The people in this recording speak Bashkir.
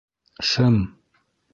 Шым!